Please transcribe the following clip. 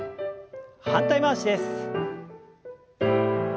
反対回しです。